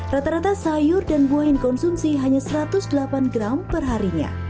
rata rata sayur dan buah yang dikonsumsi hanya satu ratus delapan gram perharinya